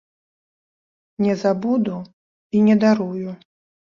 Не забуду і не дарую.